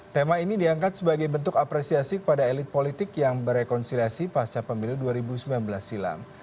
tema ini diangkat sebagai bentuk apresiasi kepada elit politik yang berrekonsiliasi pasca pemilu dua ribu sembilan belas silam